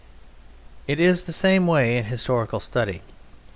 It is the same way in historical study.